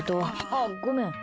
あっ、ごめん。